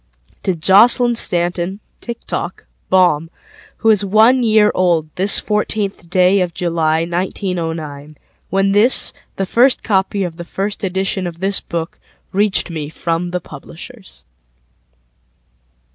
ToJoslyn Stanton (Tik Tok) Baum, Who is one year old this 14th day of July, 1909When this, the first copy of the first editionOf this book, reached me from the publishers.